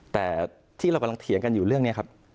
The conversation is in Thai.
แต่ที่เรากำลังเถียงกันอยู่เรื่องนี้ครับ